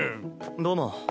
どうも。